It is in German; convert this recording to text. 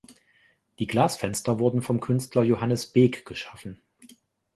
Die Glasfenster wurden vom Künstler Johannes Beeck geschaffen.